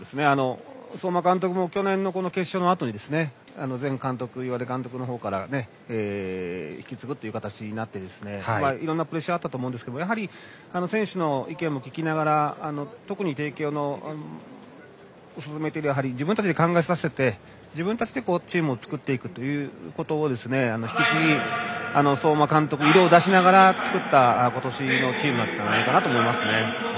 相馬監督も去年の決勝のあとに前監督、岩出監督の方から引き継ぐという形になっていろんなプレッシャーもあったと思いますがやはり、選手の意見も聞きながら特に帝京の進めている自分たちで考えさせて自分たちでチームを作っていくということを引き継ぎ相馬監督の色を出しながら作った今年のチームだったのかと思いますね。